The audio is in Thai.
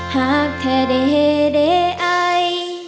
หากแท้ได้เห่ยได้อาย